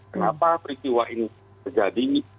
kenapa peristiwa ini terjadi